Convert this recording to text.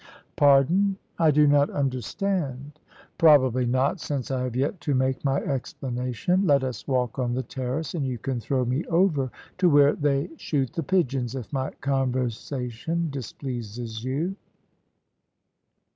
"Pardon. I do not understand." "Probably not, since I have yet to make my explanation. Let us walk on the terrace, and you can throw me over, to where they shoot the pigeons, if my conversation displeases you."